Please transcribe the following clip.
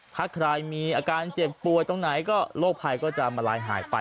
ถ้าใครมีอาการเจ็บป่วยตรงไหนก็โรคภัยก็จะมาลายหายไป